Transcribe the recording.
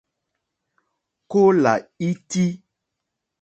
Kólà ítí.